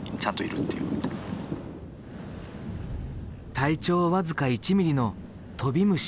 体長僅か１ｍｍのトビムシ。